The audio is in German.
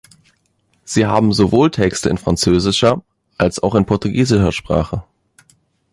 Sie haben sowohl Texte in französischer als auch in portugiesischer Sprache.